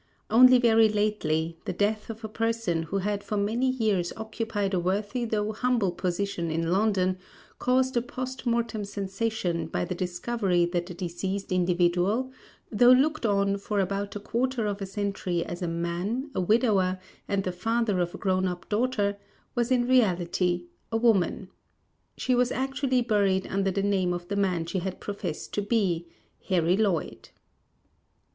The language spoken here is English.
Only very lately the death of a person who had for many years occupied a worthy though humble position in London caused a post mortem sensation by the discovery that the deceased individual, though looked on for about a quarter of a century as a man, a widower, and the father of a grown up daughter, was in reality a woman. She was actually buried under the name of the man she had professed to be, Harry Lloyd.